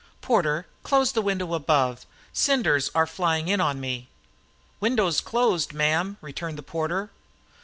"Porter, close the window above. Cinders are flying in on me." "Window's closed, ma'am," returned the porter.